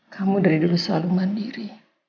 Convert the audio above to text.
kamu dari dulu selalu mandiri